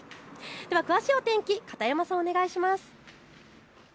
では詳しいお天気、片山さん、お願いします。